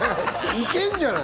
行けんじゃない！